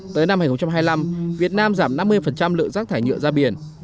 tới năm hai nghìn hai mươi năm việt nam giảm năm mươi lượng rác thải nhựa ra biển